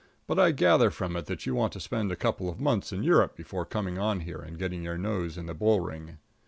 But I gather from it that you want to spend a couple of months in Europe before coming on here and getting your nose in the bull ring.